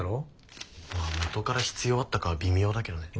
まあもとから必要あったか微妙だけどね。